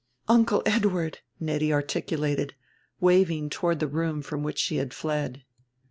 "Uncle Edward," Nettie articulated, waving toward the room from which she had fled.